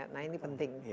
nah ini penting